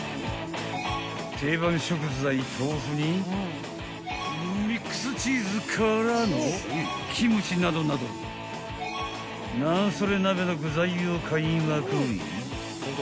［定番食材豆腐にミックスチーズからのキムチなどなどなんそれ鍋の具材を買いまくり